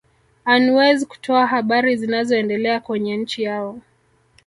anwez kutoa habari zinazoendelea kwenye nchi yao